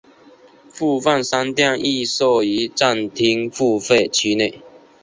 部分商店亦设于站厅付费区内。